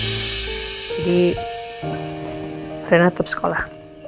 jadi rena tetap sekolah